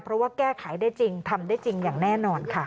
เพราะว่าแก้ไขได้จริงทำได้จริงอย่างแน่นอนค่ะ